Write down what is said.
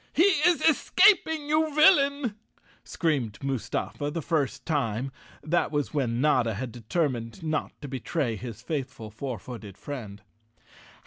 "He is escaping, you villain!" screamed Mustafa the first time—that was when Notta had determined not to betray his faithful four footed friend.